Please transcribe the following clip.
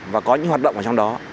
và có những hoạt động ở trong đó